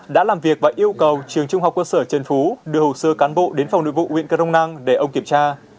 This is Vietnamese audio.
đã làm việc và yêu cầu trường trung học cơ sở trần phú đưa hồ sơ cán bộ đến phòng nội vụ huyện cơ rông năng để ông kiểm tra